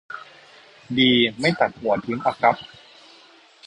ดีไม่ตัดหัวทิ้งอะครับ